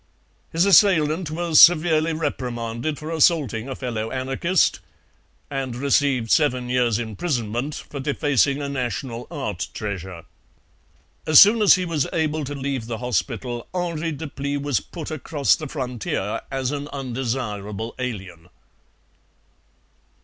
His assailant was severely reprimanded for assaulting a fellow anarchist and received seven years' imprisonment for defacing a national art treasure. As soon as he was able to leave the hospital Henri Deplis was put across the frontier as an undesirable alien.